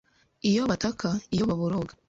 iyo bataka iyo baboroga